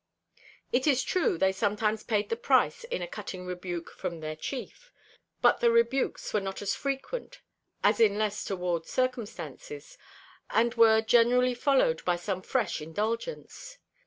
It is true they sometimes paid the price in a cutting rebuke from their chief, but the rebukes were not as frequent as in less toward circumstances, and were generally followed by some fresh indulgence.